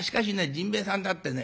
甚兵衛さんだってね